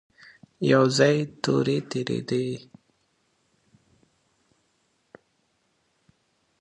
يو ځای تورې تېرېدلې.